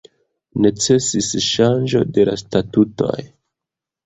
Necesis ŝanĝo de la statutoj.